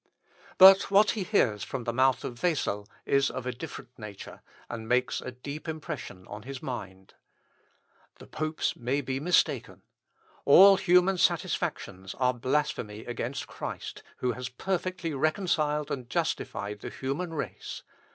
But what he hears from the mouth of Wessel is of a different nature, and makes a deep impression on his mind. "The popes may be mistaken. All human satisfactions are blasphemy against Christ, who has perfectly reconciled and justified the human race.